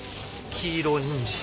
黄色にんじん。